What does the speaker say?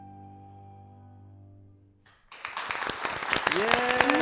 イエーイ！